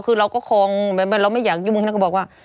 คือเราก็คลองเราไม่อยากอยู่มึงให้เขาบอกว่า